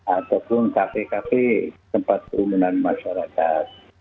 ataupun cafe cafe tempat perumunan masyarakat